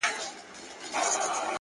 ما خپل پښتون او خپل ياغي ضمير كي،